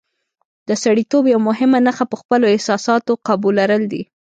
د سړیتوب یوه مهمه نښه په خپلو احساساتو قابو لرل دي.